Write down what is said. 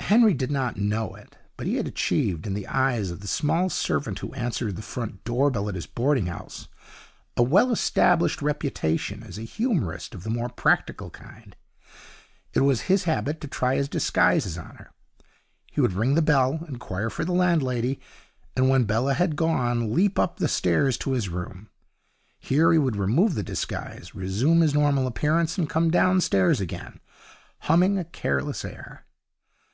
Henry did not know it, but he had achieved in the eyes of the small servant who answered the front door bell at his boarding house a well established reputation as a humorist of the more practical kind. It was his habit to try his disguises on her. He would ring the bell, inquire for the landlady, and when Bella had gone, leap up the stairs to his room. Here he would remove the disguise, resume his normal appearance, and come downstairs again, humming a careless air.